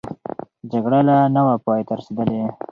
جګړه لا نه وه پای ته رسېدلې.